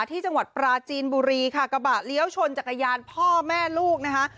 ที่จังหวัดปราจีนบุรีค่ะกระบะเลี้ยวชนจักรยานพ่อแม่ลูกนะคะ